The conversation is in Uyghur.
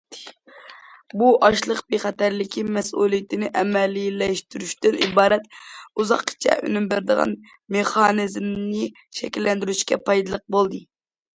بۇ ئاشلىق بىخەتەرلىكى مەسئۇلىيىتىنى ئەمەلىيلەشتۈرۈشتىن ئىبارەت ئۇزاققىچە ئۈنۈم بېرىدىغان مېخانىزمنى شەكىللەندۈرۈشكە پايدىلىق بولدى.